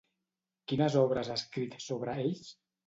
Quines obres ha escrit sobre ells?